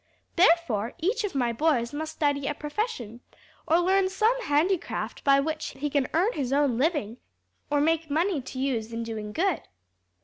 Therefore each of my boys must study a profession or learn some handicraft by which he can earn his own living or make money to use in doing good.